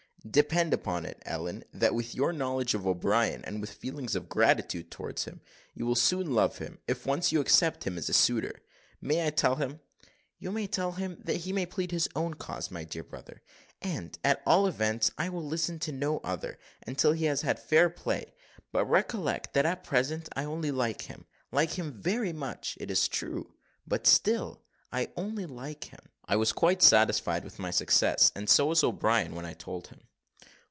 "Depend upon it, Ellen, that with your knowledge of O'Brien, and with feelings of gratitude to him, you will soon love him, if once you accept him as a suitor. May I tell him " "You may tell him that he may plead his own cause, my dear brother; and, at all events, I will listen to no other, until he has had fair play; but recollect, that at present I only like him like him very much, it is true but still I only like him." I was quite satisfied with my success, and so was O'Brien, when I told him.